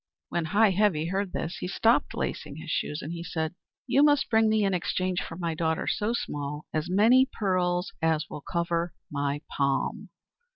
When Heigh Heavy heard this, he stopped lacing his shoes, and he said, "You must bring me in exchange for my daughter So Small as many pearls as will cover my palm."